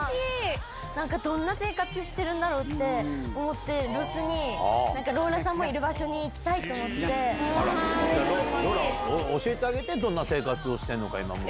なんかどんな生活してるんだろうって思って、ロスに、ローラさんのいる場所に行きたいと思っローラ、教えてあげて、どんな生活をしてるのか、今、向こうで。